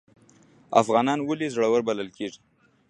افغانان ولې زړور بلل کیږي؟